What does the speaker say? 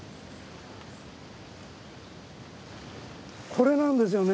これなんですよね。